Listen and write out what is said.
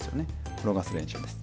転がす練習です。